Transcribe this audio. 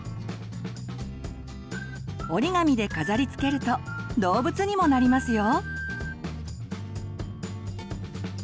折り紙で飾りつけると動物にもなりますよ。